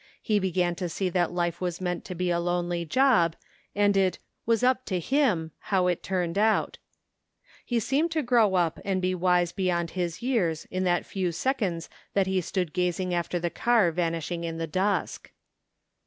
He began to see that life was meant to be a lonely job and it " was up to him " how it turned out. He seemed to grow tip and 10 145 THE FINDING OF JASPEE HOLT be wise beyond his years in that few seconds that he stood gazing after the car vanishing in the dusk.